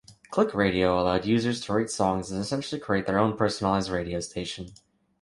Clickradio allowed users to rate songs and essentially create their own personalized radio station.